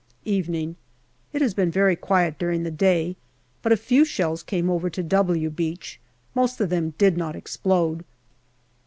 Evening. It has been very quiet during the day, but a few shells came over to " W >J> Beach ; most of them did not explode.